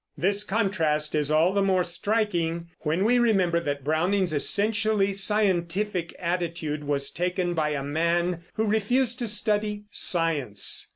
This contrast is all the more striking when we remember that Browning's essentially scientific attitude was taken by a man who refused to study science.